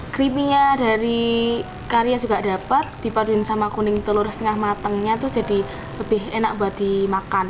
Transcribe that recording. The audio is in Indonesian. krimnya dari kari yang juga dapat dipaduin sama kuning telur setengah matangnya itu jadi lebih enak buat dimakan